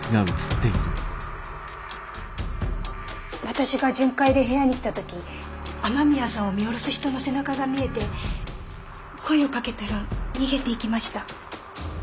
私が巡回で部屋に来た時雨宮さんを見下ろす人の背中が見えて声をかけたら逃げていきました。